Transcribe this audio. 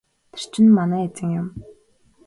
Тэр чинь манай эзэн юм.